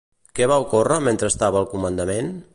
Què va ocórrer mentre estava al comandament?